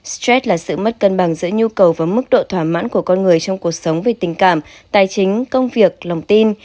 stress là sự mất cân bằng giữa nhu cầu và mức độ thỏa mãn của con người trong cuộc sống về tình cảm tài chính công việc lòng tin